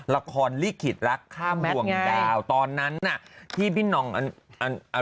มันจะจบยังไงหวะหัวหนึ่งขา